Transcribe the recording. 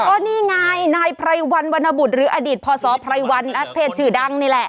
ก็นี่ไงนายไพรวันวรรณบุตรหรืออดีตพศไพรวันนักเทศชื่อดังนี่แหละ